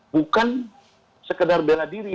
bukan sekedar bela diri